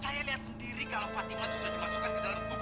saya lihat sendiri kalau fatima itu sudah dimasukkan ke dalam buku